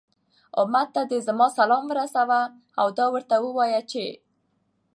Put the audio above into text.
أمت ته دي زما سلام ورسوه، او دا ورته ووايه چې